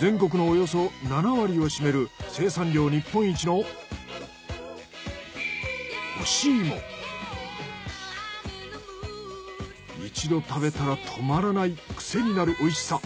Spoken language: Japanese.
全国のおよそ７割を占める一度食べたら止まらないくせになるおいしさ。